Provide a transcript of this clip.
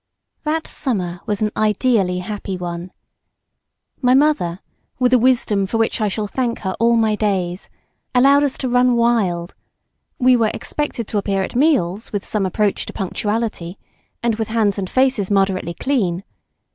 That summer was an ideally happy one. My mother, with a wisdom for which I shall thank her all my days, allowed us to run wild; we were expected to appear at meals with some approach to punctuality, and with hands and faces moderately clean.